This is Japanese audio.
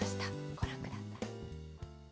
ご覧ください。